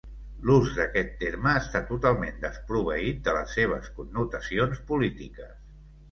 L'ús d'aquest terme està totalment desproveït de les seves connotacions polítiques.